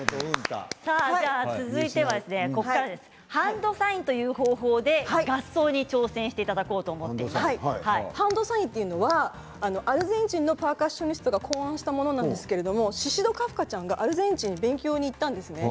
では続いてはここからハンドサインという方法で合奏に挑戦していただこうとハンドサインはアルゼンチンのパーカッショニストが考案したものでシシド・カフカちゃんがアルゼンチンに勉強に行ったんです。